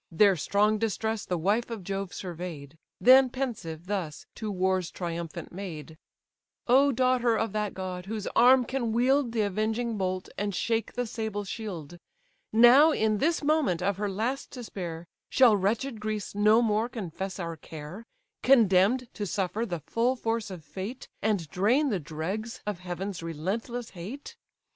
Their strong distress the wife of Jove survey'd; Then pensive thus, to war's triumphant maid: "O daughter of that god, whose arm can wield The avenging bolt, and shake the sable shield! Now, in this moment of her last despair, Shall wretched Greece no more confess our care, Condemn'd to suffer the full force of fate, And drain the dregs of heaven's relentless hate?